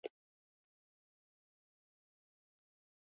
Está formado por unas diez viviendas con capilla y zonas comunes.